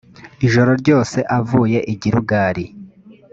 ijoro ryose avuye i gilugali